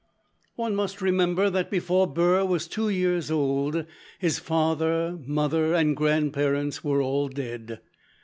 One must remember that before Burr was two years old, his father, mother, and grandparents were all dead.